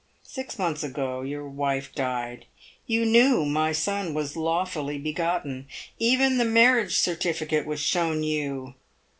Six months ago your wife died. You knew my son was lawfully begotten. Even the marriage certificate was shown you.